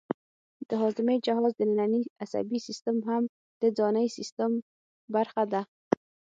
د هاضمې جهاز دنننی عصبي سیستم هم د ځانی سیستم برخه ده